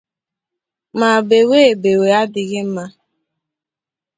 ma bewe ebewe adịghị mma.